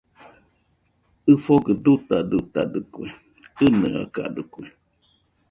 ɨfogɨ dutadutadɨkue, ɨnɨakadɨkue